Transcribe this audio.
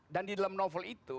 dan di dalam novel itu